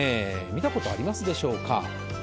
見たことありますでしょうか。